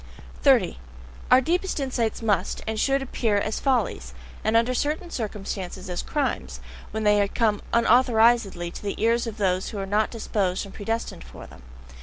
30. Our deepest insights must and should appear as follies, and under certain circumstances as crimes, when they come unauthorizedly to the ears of those who are not disposed and predestined for them.